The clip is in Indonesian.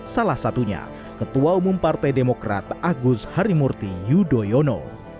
salah satunya ketua umum partai demokrat agus harimurti yudhoyono